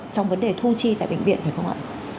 trong vấn đề thu chi tại bệnh viện phải không ạ